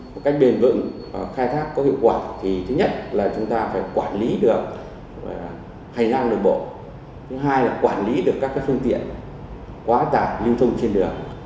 một cách bền vững và khai thác có hiệu quả thì thứ nhất là chúng ta phải quản lý được hành lang đường bộ thứ hai là quản lý được các phương tiện quá tạp lưu thông trên đường